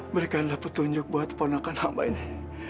berikanlah petunjuk buat ponakan hamba ini